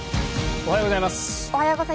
おはようございます。